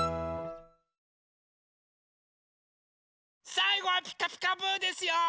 さいごは「ピカピカブ！」ですよ！